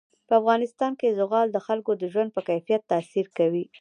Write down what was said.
په افغانستان کې زغال د خلکو د ژوند په کیفیت تاثیر کوي.